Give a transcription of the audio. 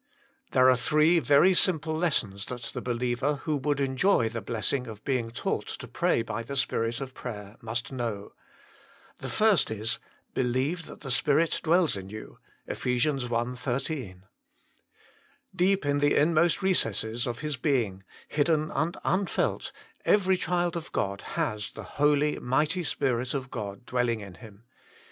There are three very simple lessons that the believer, who would enjoy the blessing of being taught to pray by the Spirit of prayer, must know. The first is: Believe that the Spirit dwells in you (Eph. i. 13). Deep in the inmost recesses of his being, hidden and unfelt, every child of God has the Holy, Mighty Spirit of God dwelling in him.